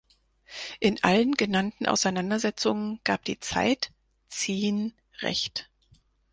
In allen genannten Auseinandersetzungen gab die Zeit Ziehn recht.